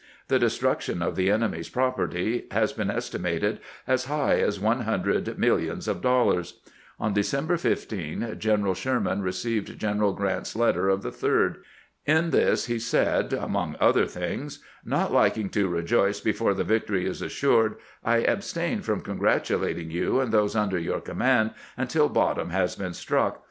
The destruction of the enemy's property has been estimated as high as one hundred millions of dol 360 CAMPAIGNING WITH GRANT lars. On December 15 General Sherman received Gren eral Grant's letter of the 3d. In this he said, among other things :" Not liking to rejoice before the victory is assured, I abstain from congratulating you and those under your command until bottom has been struck.